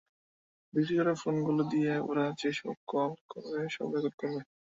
বিক্রি করা ফোন গুলি দিয়ে, ওরা যে সব কল করবে সব রেকর্ড করব।